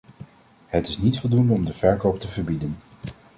Het is niet voldoende om de verkoop te verbieden.